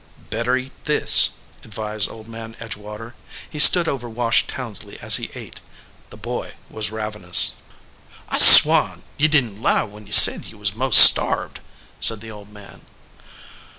"Better eat this," advised Old Man Edgewater. He stood over Wash Townsley as he ate. The boy was ravenous. "I swan ! ye didn t lie when ye said ye was most starved," said the old man.